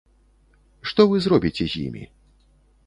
Што вы зробіце з імі?